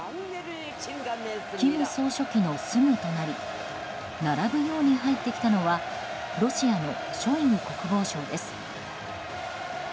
金総書記のすぐ隣並ぶように入ってきたのはロシアのショイグ国防相です。